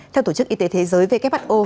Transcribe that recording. theo tổ chức y tế thế giới who